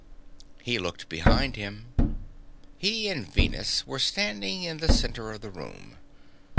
He looked behind him. He and Venus were standing in the center of the room.